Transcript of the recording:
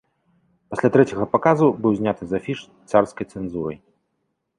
Пасля трэцяга паказу быў зняты з афіш царскай цэнзурай.